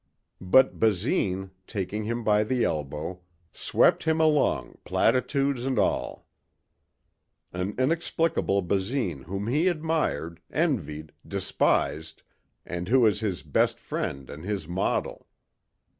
But Basine, taking him by the elbow, swept him along, platitudes and all. An inexplicable Basine whom he admired, envied, despised, and who was his best friend and his model.